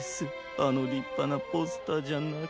あのりっぱなポスターじゃなきゃ。